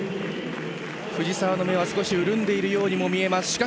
藤澤の目は少し潤んでいるように見えます。